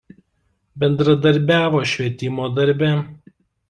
Bendradarbiavo „Švietimo darbe“.